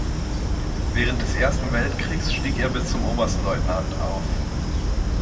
Während des Ersten Weltkriegs stieg er bis zum Oberstleutnant auf.